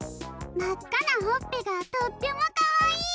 まっかなほっぺがとってもかわいい！